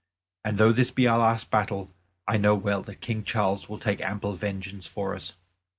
And though this be our last battle, I know well that King Charles will take ample vengeance for us."